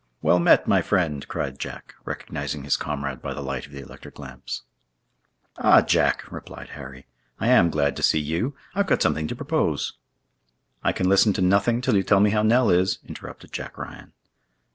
"Well met, my friend!" cried Jack, recognizing his comrade by the light of the electric lamps. "Ah, Jack!" replied Harry, "I am glad to see you. I've got something to propose." "I can listen to nothing till you tell me how Nell is," interrupted Jack Ryan.